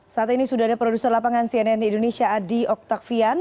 saat ini sudah ada produser lapangan cnn indonesia adi oktavian